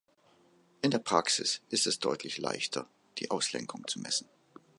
In der Praxis ist es deutlich leichter, die Auslenkung zu messen.